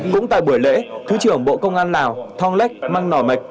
cũng tại buổi lễ thứ trưởng bộ công an lào thong lech mang nòi mệch